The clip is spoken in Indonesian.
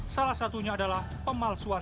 salah satunya adalah pemalsuan